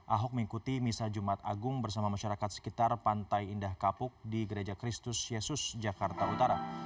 ahok mengikuti misa jumat agung bersama masyarakat sekitar pantai indah kapuk di gereja kristus yesus jakarta utara